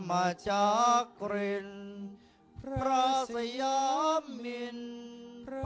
และผู้มีเกียรติที่กรบท่านได้ลุกขึ้นยืนโดยพร้อมเพียงกันครับ